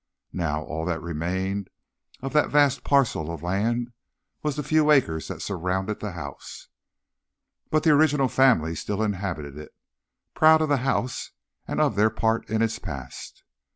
Now, all that remained of that vast parcel of land was the few acres that surrounded the house. But the original family still inhabited it, proud of the house and of their part in its past.